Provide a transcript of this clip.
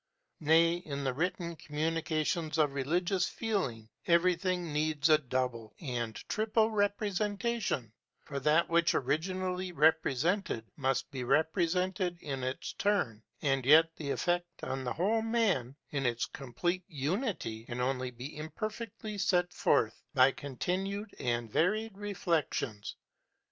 Nay, in the written communications of religious feeling, everything needs a double and triple representation; for that which originally represented, must be represented in its turn; and yet the effect on the whole man, in its complete unity, can only be imperfectly set forth by continued and varied reflections.